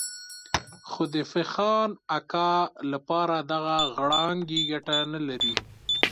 خو د فخان اکا لپاره دغه غړانګې ګټه نه لري.